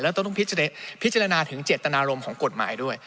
ต้องพิจารณาถึงเจตนารมณ์ของกฎหมายด้วย